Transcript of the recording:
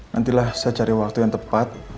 nantilah saya cari waktu yang tepat